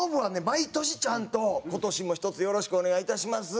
毎年ちゃんと「今年もひとつよろしくお願いいたします」。